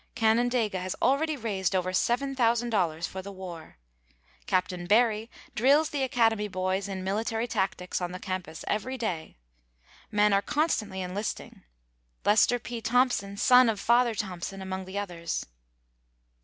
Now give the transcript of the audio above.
Canandaigua has already raised over $7,000 for the war. Capt. Barry drills the Academy boys in military tactics on the campus every day. Men are constantly enlisting. Lester P. Thompson, son of "Father Thompson," among the others.